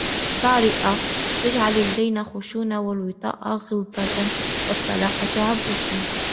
طَارِئَةٍ ، تَجْعَلُ اللِّينَ خُشُونَةً وَالْوَطَاءَ غِلْظَةً وَالطَّلَاقَةَ عُبُوسًا